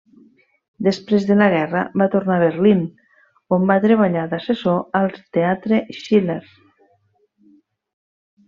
Després de la guerra va tornar a Berlín on va treballar d'assessor al teatre Schiller.